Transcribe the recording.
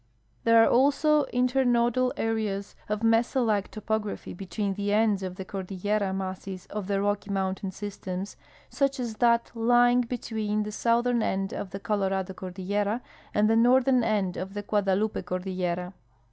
There are also internodal areas of mesa like topography be tween the ends of the cordillera masses of the Rocky mountain systems, such as that lying between the southern end of the Colorado cordillera and the northern end of the Guadalupe cordillera.